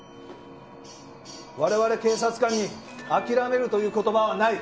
我々警察官に諦めるという言葉はない。